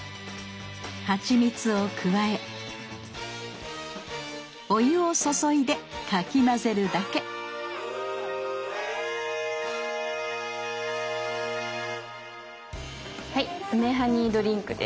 はちみつを加えお湯を注いでかき混ぜるだけはい「梅ハニードリンク」です。